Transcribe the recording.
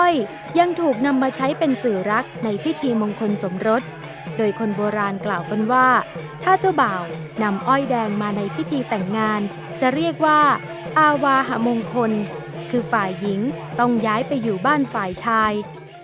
ยังถูกนำมาใช้เป็นสื่อรักในพิธีมงคลสมรสโดยคนโบราณกล่าวกันว่าถ้าเจ้าบ่าวนำอ้อยแดงมาในพิธีแต่งงานจะเรียกว่าอาวาหมงคลคือฝ่ายหญิงต้องย้ายไปอยู่บ้านฝ่ายชาย